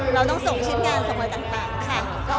เราต้องส่งชิ้นงานสมมติต่างค่ะ